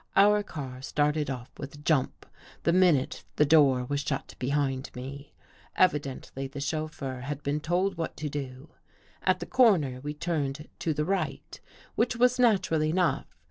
Our car started off with a jump the minute the door was shut behind me. Evidently the chauf feur had been told what to do. At the corner we turned to the right, which was natural enough.